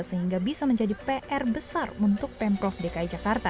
sehingga bisa menjadi pr besar untuk pemprov dki jakarta